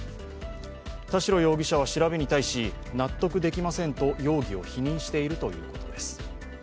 田代容疑者は調べに対し納得できませんと容疑を否認しているということです。